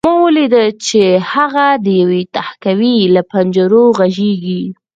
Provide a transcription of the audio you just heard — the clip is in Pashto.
ما ولیدل چې هغه د یوې تهکوي له پنجرو غږېږي